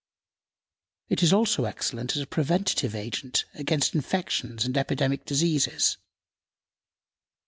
It is also excellent as a preventive against infections and epidemic diseases.